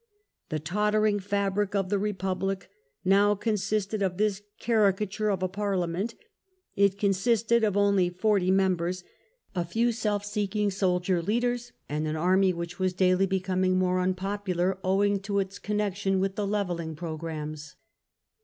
The tottering fabric of the Republic now consisted of this caricature of a Parliament — it consisted of only 40 And quarreU members, — Si few self seeking soldier leaders, ensue. and an army which was daily becoming more unpopular owing to its connection with the Levelling pro grammes.